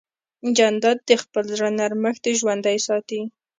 جانداد د خپل زړه نرمښت ژوندی ساتي.